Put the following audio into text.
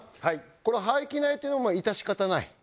この廃棄苗というのは致し方ない？